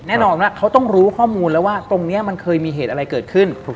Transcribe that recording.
แน่นอนว่าเขาต้องรู้ข้อมูลแล้วว่าตรงนี้มันเคยมีเหตุอะไรเกิดขึ้น